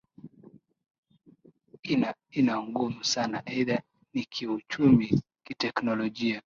ina ina nguvu sana either nikiuchumi kitechnologia